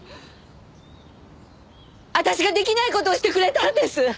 私ができない事をしてくれたんです！